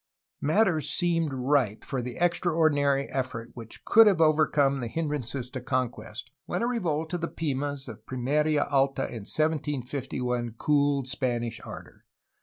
Matters seemed ripe for the extraordinary effort which could have overcome the hindrances to conquest, when a re volt of the Pimas of Pimerla Alta in 1751 cooled Spanish ardor.